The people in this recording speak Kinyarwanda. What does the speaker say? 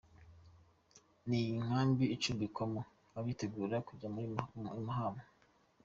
Ni inkambi icumbikirwamo abitegura kujyanwa i Mahama.